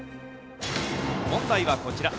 問題はこちら。